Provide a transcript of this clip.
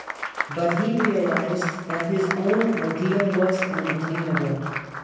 But he realized that his own ideal was unattain able.